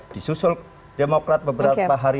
disusul demokrat beberapa hari